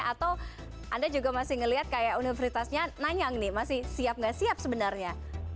atau anda juga masih ngeliat kayak universitasnya nanyang nih masih siap nggak siap sebenarnya